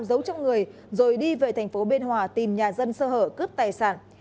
giấu trong người rồi đi về tp biên hòa tìm nhà dân sơ hở cướp tài sản